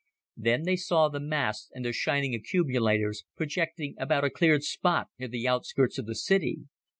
Then they saw the masts and their shining accumulators projecting about a cleared spot near the outskirts of the city.